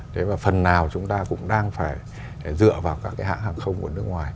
thế và phần nào chúng ta cũng đang phải dựa vào các cái hãng hàng không của nước ngoài